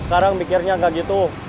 sekarang mikirnya nggak gitu